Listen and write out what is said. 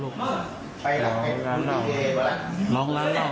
ลักษณ์มากกว่า